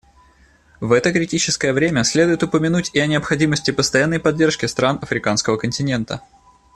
В это критическое время следует упомянуть и о необходимости постоянной поддержки стран африканского континента.